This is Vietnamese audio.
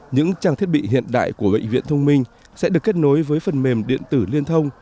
những trang thiết bị hiện đại của bệnh viện thông minh sẽ được kết nối với phần mềm điện tử liên thông